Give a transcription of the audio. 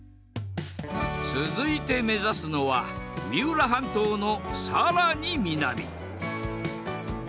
続いて目指すのは三浦半島のさらに南。